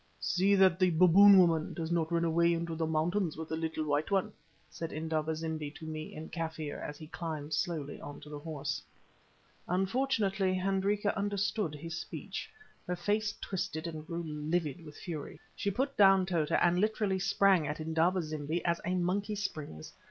"See that the 'Baboon woman' does not run away into the mountains with the little white one," said Indaba zimbi to me in Kaffir, as he climbed slowly on to the horse. Unfortunately Hendrika understood his speech. Her face twisted and grew livid with fury. She put down Tota and literally sprang at Indaba zimbi as a monkey springs.